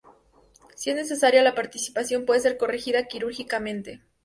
Si es necesario, la partición puede ser corregida quirúrgicamente.